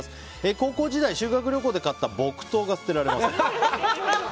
高校時代、修学旅行で買った木刀が捨てられません。